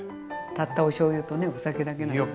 たったおしょうゆとねお酒だけなのにね。